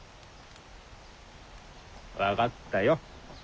分かったよ。